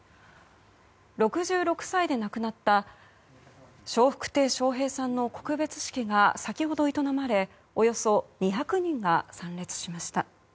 ６６歳で亡くなった笑福亭笑瓶さんの告別式が先ほど営まれおよそ２００人が参列しました。